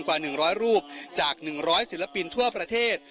กว่า๑๐๐รูปจาก๑๐๐ศิลปินทั่วประเทศ